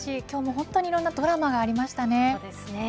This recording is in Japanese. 今日も本当にいろんなドラマがありましたね。